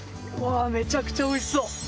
めちゃくちゃおいしそう！